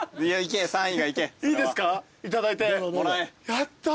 やったぜ。